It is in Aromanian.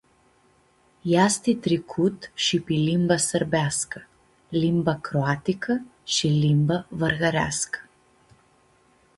Easti tricut shi pi limba sãrbeascã, limba croaticã shi limba vãryãreascã.